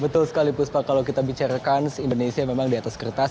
betul sekali puspa kalau kita bicara kans indonesia memang di atas kertas